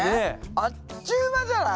あっちゅう間じゃない！